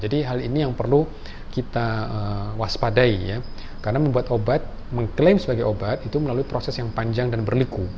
jadi hal ini yang perlu kita waspadai ya karena membuat obat mengklaim sebagai obat itu melalui proses yang panjang dan berliku